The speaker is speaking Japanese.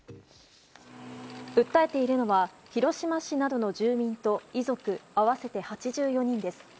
訴えているのは広島市などの住民と遺族合わせて８４人です。